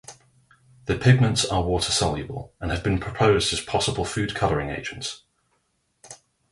The pigments are water-soluble, and have been proposed as possible food coloring agents.